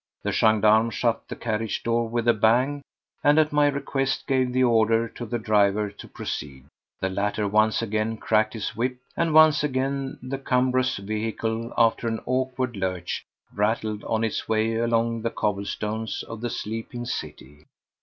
The gendarme shut the carriage door with a bang, and at my request gave the order to the driver to proceed. The latter once again cracked his whip, and once again the cumbrous vehicle, after an awkward lurch, rattled on its way along the cobblestones of the sleeping city.